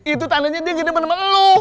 itu tandanya dia gede sama lo